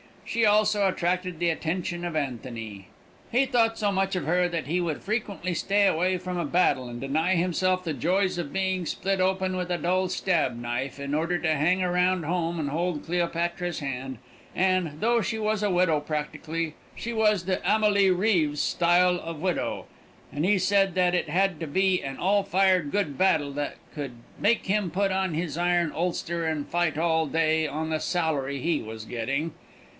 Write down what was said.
She also attracted the attention of Antony. He thought so much of her that he would frequently stay away from a battle and deny himself the joys of being split open with a dull stab knife in order to hang around home and hold Cleopatra's hand, and, though she was a widow practically, she was the Amélie Rives style of widow, and he said that it had to be an all fired good battle that could make him put on his iron ulster and fight all day on the salary he was getting.